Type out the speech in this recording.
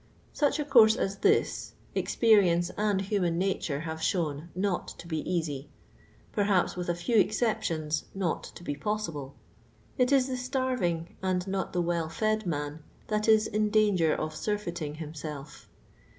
Such a course as this, experience and human naturo have shown not to bo easy — perhaps, with a I few exceptions, not to b<^ possible. It is the j starving and not the well fed man that is in I danger of surfeiting himself.